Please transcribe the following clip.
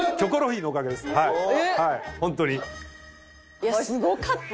いやすごかった！